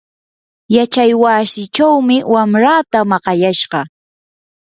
yachaywasichawmi wamraata maqayashqa.